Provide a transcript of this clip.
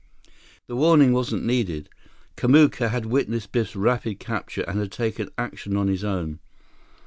The warning wasn't needed. Kamuka had witnessed Biff's rapid capture and had taken action on his own.